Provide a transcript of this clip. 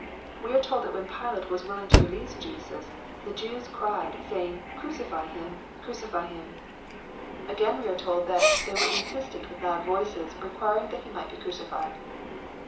We are told that when Pilate was ^^ willing to release Jesus/' the Jews "cried, saying, crucify him, crucify him 1" AgaiUj wo LUKE. CHAP. XXIII. 457 Rre told that " they were instant with loud voices, re quiring that he might be crucified."